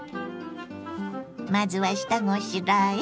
まずは下ごしらえ。